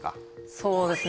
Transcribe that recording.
そうですね